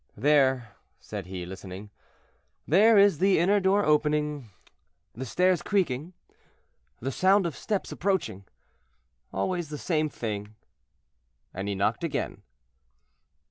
"There," said he, listening, "there is the inner door opening, the stairs creaking, the sound of steps approaching, always the same thing." And he knocked again.